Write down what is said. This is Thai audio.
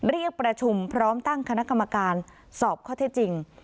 เรียกประชุมพร้อมตั้งคณะกรรมการสอบข้อเท็จจริง